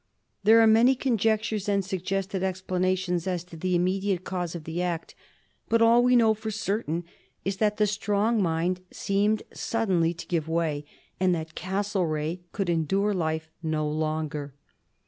There are many conjectures and suggested explanations as to the immediate cause of the act, but all we know for certain is that the strong mind seemed suddenly to give way, and that Castlereagh could endure life no longer.